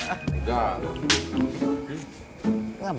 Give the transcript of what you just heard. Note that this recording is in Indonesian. enggak enggak enggak